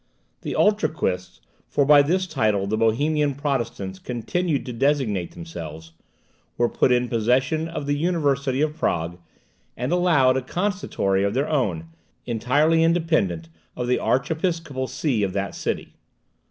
The Utraquists, for by this title the Bohemian Protestants continued to designate themselves, were put in possession of the University of Prague, and allowed a Consistory of their own, entirely independent of the archiepiscopal see of that city.